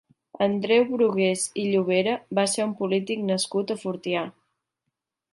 Andreu Brugués i Llobera va ser un polític nascut a Fortià.